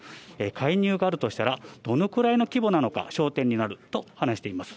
介入があるとしたら、どのくらいの規模なのか、焦点になると話しています。